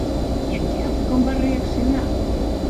I en Quel com va reaccionar?